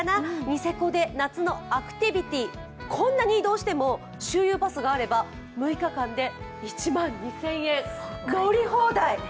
ニセコで夏のアクティビティー、こんなに移動しても周遊パスがあれば６日間で１万２０００円、乗り放題！